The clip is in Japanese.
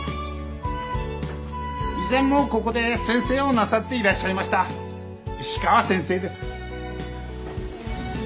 以前もここで先生をなさっていらっしゃいました石川先生です。